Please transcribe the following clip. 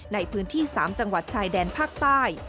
ในพื้นที่๓จังหวัดชายแดนภาคใต้